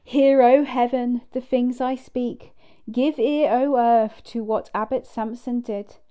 "Hear, O Heaven!" the things that I speak; "give ear, O earth!" to what Abbot Samson did.